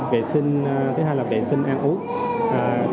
bệ sinh thứ hai là bệ sinh ăn uống